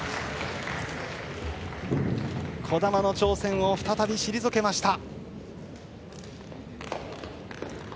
児玉の挑戦を再び退けました。